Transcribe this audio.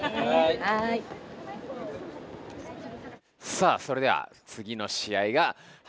さあそれでは次の試合が始まります。